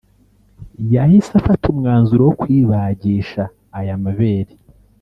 yahise afata umwanzuro wo kwibagisha aya mabere